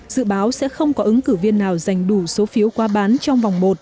dự báo sẽ không có ứng cử viên nào giành đủ số phiếu qua bán trong vòng một